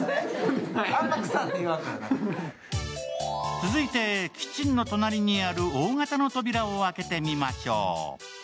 続いてキッチンの隣にある大型の扉を開けてみましょう。